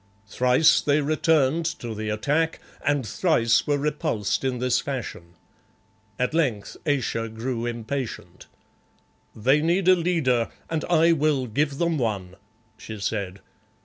Thrice they returned to the attack, and thrice were repulsed in this fashion. At length Ayesha grew impatient. "They need a leader, and I will give them one," she said.